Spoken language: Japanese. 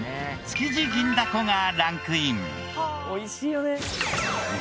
築地銀だこがランクイン。